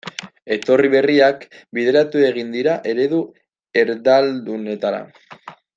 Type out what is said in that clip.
Etorri berriak bideratu egin dira eredu erdaldunetara.